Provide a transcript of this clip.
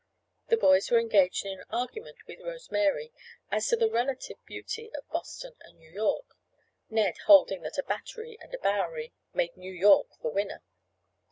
The boys were engaged in an argument with Rose Mary, as to the relative beauty of Boston and New York, Ned holding that a Battery and a Bowery made New York the winner.